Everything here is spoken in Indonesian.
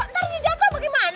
ntar dia jatuh bagaimana ay